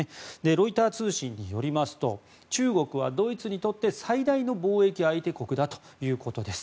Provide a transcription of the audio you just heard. ロイター通信によりますと中国はドイツにとって最大の貿易相手国だということです。